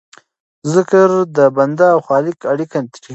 ذکر د بنده او خالق اړیکه ټینګوي.